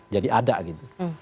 jadi ada gitu